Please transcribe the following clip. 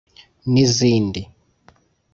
nizindi……